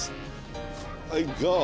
はいゴー！